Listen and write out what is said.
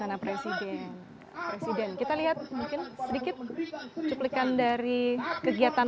perayaan hari buku nasional di istana presiden presiden kita lihat sedikit cuplikan dari kegiatan